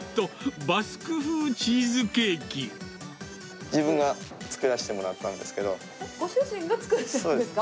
なんと、自分が作らせてもらったんでご主人が作ったんですか？